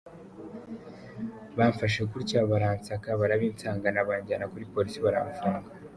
Bamfashe gutyo, baransaka barabinsangana, banjyana kuri polisi baramfunga.